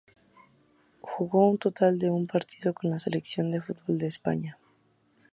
Jugó un total de un partido con la selección de fútbol de España.